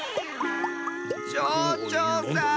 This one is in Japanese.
ちょうちょうさん。